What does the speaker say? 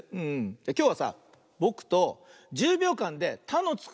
きょうはさぼくと１０びょうかんで「た」のつく